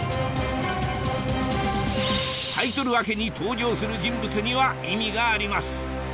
タイトル明けに登場する人物には意味があります